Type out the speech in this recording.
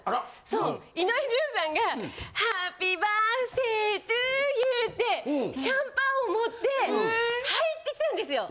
そう井上順さんがハッピーバースデートゥーユーってシャンパンを持って入ってきたんですよ。